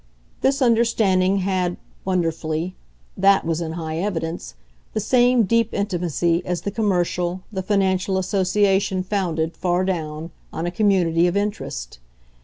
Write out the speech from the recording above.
This understanding had, wonderfully THAT was in high evidence the same deep intimacy as the commercial, the financial association founded, far down, on a community of interest.